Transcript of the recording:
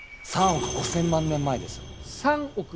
３億５，０００万年前。